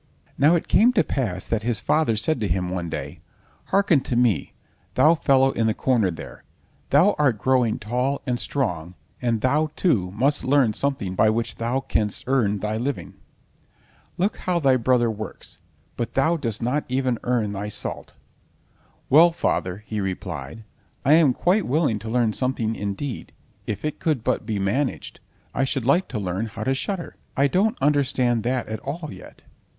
Now it came to pass that his father said to him one day: "Hearken to me, thou fellow in the corner there, thou art growing tall and strong, and thou, too, must learn something by which thou canst earn thy living. Look how thy brother works, but thou dost not even earn thy salt." "Well, father," he replied, "I am quite willing to learn something—indeed, if it could but be managed, I should like to learn how to shudder. I don't understand that at all yet."